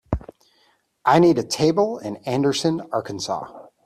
I need a table in Anderson Arkansas